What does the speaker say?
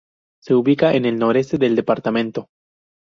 Se ubica en el noroeste del departamento.